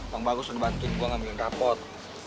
bang bagus udah bantuin gue ngambilin rapat